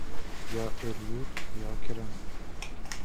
Yo, el-yurt, yo kirim!